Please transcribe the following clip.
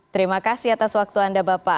terima kasih atas waktu anda bapak